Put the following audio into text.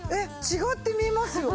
違って見えますよ。